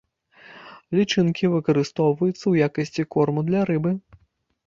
Лічынкі выкарыстоўваюцца ў якасці корму для рыбы.